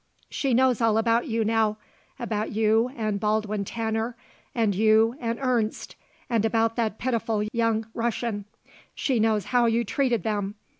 "She knows all about you now; about you and Baldwin Tanner and you and Ernst, and about that pitiful young Russian. She knows how you treated them.